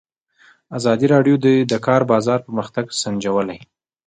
ازادي راډیو د د کار بازار پرمختګ سنجولی.